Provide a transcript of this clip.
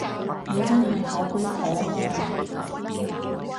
你真係好鬼可愛